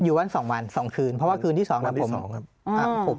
อยู่บ้าน๒วัน๒คืนเพราะว่าคืนที่๒นะผม